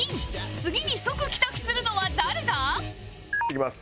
次に即帰宅するのは誰だ？いきます。